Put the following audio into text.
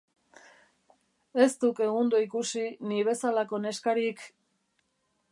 Ez duk egundo ikusi ni bezalako neskarik...